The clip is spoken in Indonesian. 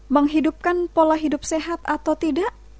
menghidupkan pola hidup sehat atau tidak